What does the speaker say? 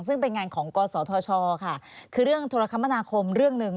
ซึ่งเป็นงานของกศธชค่ะคือเรื่องโทรคมนาคมเรื่องหนึ่ง